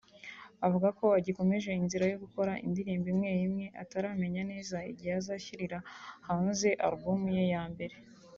avuga ko agikomeje inzira yo gukora indirimbo imwe imwe ataramenya neza igihe azashyirira hanze album ye ya mbere